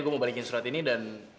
gue mau balikin surat ini dan